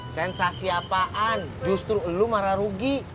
sensasi apaan justru lo marah rugi